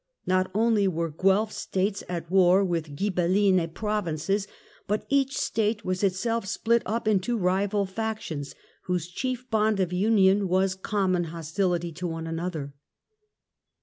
Not only were Guelf States at war with Ghibelline Provinces, but each State was itself split up into rival factions, whose chief bond of union was common hostility to one another.